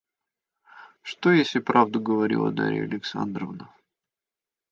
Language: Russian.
Что, если правду говорила Дарья Александровна?